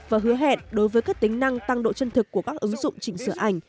và hứa hẹn đối với các tính năng tăng độ chân thực của các ứng dụng chỉnh sửa ảnh